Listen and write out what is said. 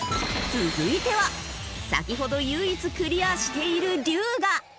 続いては先ほど唯一クリアしている龍我。